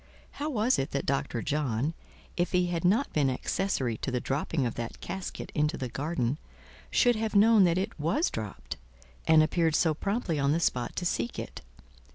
How was it that Dr. John, if he had not been accessory to the dropping of that casket into the garden, should have known that it was dropped, and appeared so promptly on the spot to seek it?